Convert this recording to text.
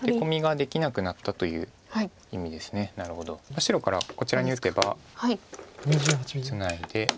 白からこちらに打てばツナいで。